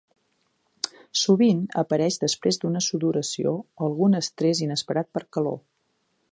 Sovint, apareix després d'una sudoració o algun estrès inesperat per calor.